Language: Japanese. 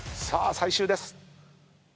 さあ最終です。